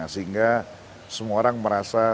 sehingga semua orang merasa